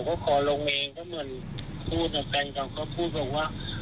เขาก็ขอลงเองเพราะเหมือนแฟนเขาก็พูดบอกว่า